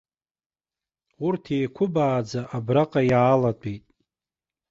Урҭ еиқәыбааӡа абраҟа иаалатәеит.